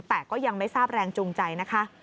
แต่ก็ยังไม่ทราบแรงจูงใจนะคะ